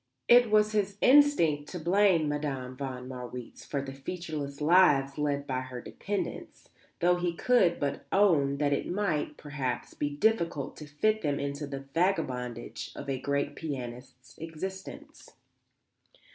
It was his instinct to blame Madame von Marwitz for the featureless lives led by her dependents, though he could but own that it might, perhaps, be difficult to fit them into the vagabondage of a great pianist's existence.